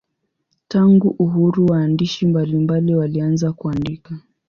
Tangu uhuru waandishi mbalimbali walianza kuandika.